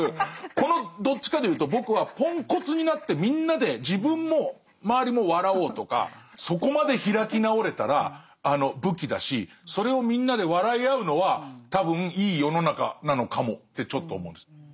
このどっちかでいうと僕はポンコツになってみんなで自分も周りも笑おうとかそこまで開き直れたら武器だしそれをみんなで笑い合うのは多分いい世の中なのかもってちょっと思うんです。